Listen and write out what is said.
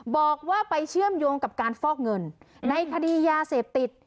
บอกว่าไปเชื่อมโยงกับการฟอกเงินในคดียาเสพติด